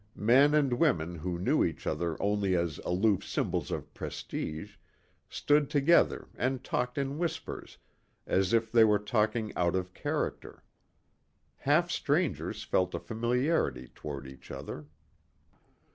Men and women who knew each other only as aloof symbols of prestige, stood together and talked in whispers as if they were talking out of character. Half strangers felt a familiarity toward each other.